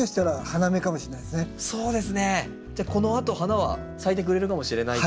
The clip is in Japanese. じゃあこのあと花は咲いてくれるかもしれないと。